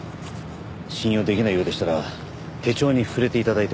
信用できないようでしたら手帳に触れて頂いても。